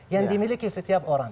yang dimiliki setiap orang